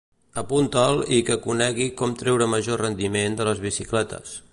Apunta'l i que conegui com treure major rendiment de les bicicletes.